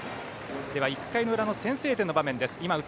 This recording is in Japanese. １回の裏の先制点の場面です。